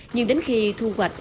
nhưng đến khi thu hoạch